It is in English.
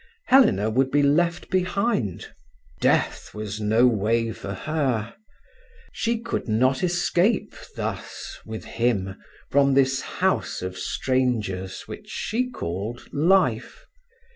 Helena would be left behind; death was no way for her. She could not escape thus with him from this house of strangers which she called "life".